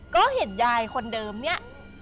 ก็เห็นยายคนเดิมเนี่ย